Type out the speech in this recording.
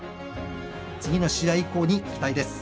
次の試合以降に期待です。